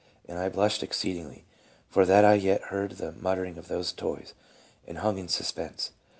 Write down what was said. And I blushed exceedingly, for that I yet heard the muttering of those toys, and hung in sus pense."